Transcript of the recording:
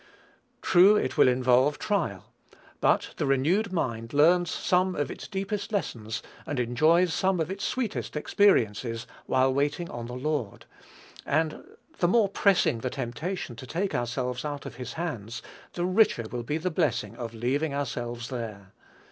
True it will involve trial; but the renewed mind learns some of its deepest lessons, and enjoys some of its sweetest experiences, while waiting on the Lord; and the more pressing the temptation to take ourselves out of his hands, the richer will be the blessing of leaving ourselves there.